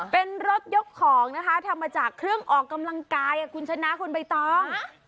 เป็นรถยกของนะคะทำมาจากเครื่องออกกำลังกายคุณชนะคุณใบตอง